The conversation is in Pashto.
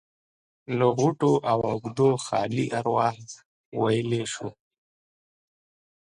له غوټو او عقدو خالي اروا ويلی شو.